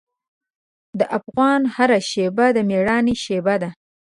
د افغان هره شېبه د میړانې شېبه ده.